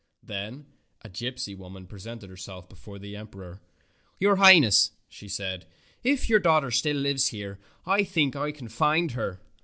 Then a gypsy woman presented herself before the emperor. "Your High ness,'' she said, "if your daughter still lives, I think I can find her."